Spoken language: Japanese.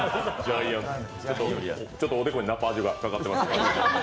ちょっとおでこにナパージュがかかっていますが。